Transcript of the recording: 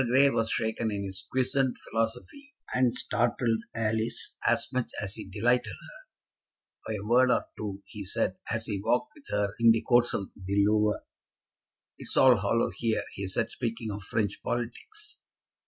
Grey was shaken in his quiescent philosophy, and startled Alice, startled her as much as he delighted her, by a word or two he said as he walked with her in the courts of the Louvre. "It's all hollow here," he said, speaking of French politics.